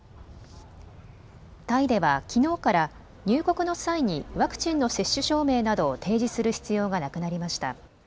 タイではきのうから入国の際にワクチンの接種証明などを提示する必要がなくなりました。